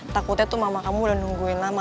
takutnya tuh mama kamu udah nungguin lama